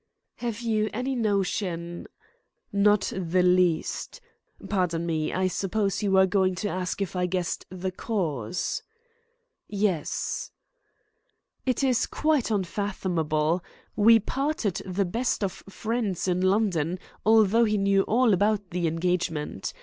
"Have you any notion " "Not the least. Pardon me. I suppose you were going to ask if I guessed the cause?" "Yes." "It is quite unfathomable. We parted the best of friends in London, although he knew all about the engagement.